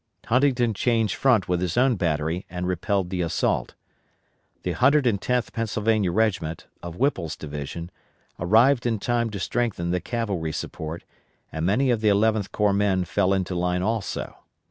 Huntington changed front with his own battery and repelled the assault. The 110th Pennsylvania regiment, of Whipple's division, arrived in time to strengthen the cavalry support, and many of the Eleventh Corps men fell into line also.